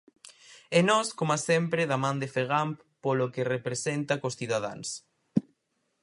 E nós, coma sempre, da man da Fegamp polo que representa cos cidadáns.